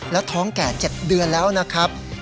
แล้วท้องแก่๗เดือนแล้วนะครับ